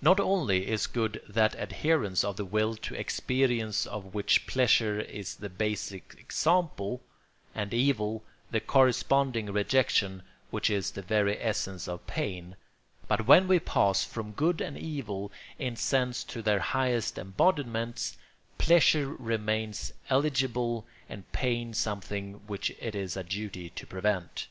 Not only is good that adherence of the will to experience of which pleasure is the basal example, and evil the corresponding rejection which is the very essence of pain, but when we pass from good and evil in sense to their highest embodiments, pleasure remains eligible and pain something which it is a duty to prevent.